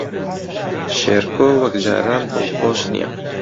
شێرکۆ وەک جاران دڵخۆش نییە.